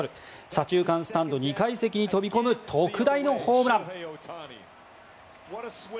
左中間スタンド２階席に飛び込む特大のホームラン！